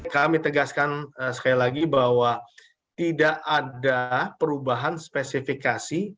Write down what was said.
kami tegaskan sekali lagi bahwa tidak ada perubahan spesifikasi